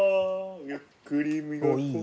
ゆっくりみがこう。